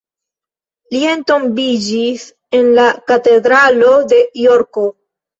Li entombiĝis en la katedralo de Jorko.